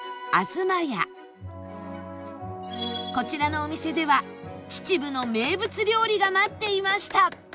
こちらのお店では秩父の名物料理が待っていました